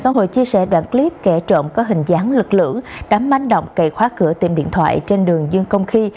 mãn xã hội chia sẻ đoạn clip kẻ trộn có hình dán lực lưỡi đã manh động cậy khóa cửa tiệm điện thoại trên đường dương công khi